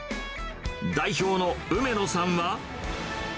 代表の梅野さんは。